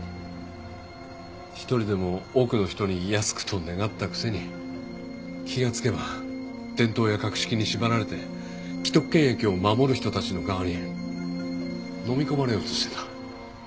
一人でも多くの人に安くと願ったくせに気がつけば伝統や格式に縛られて既得権益を守る人たちの側にのみ込まれようとしていた。